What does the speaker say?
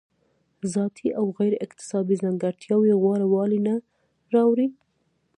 ذاتي او غیر اکتسابي ځانګړتیاوې غوره والی نه راوړي.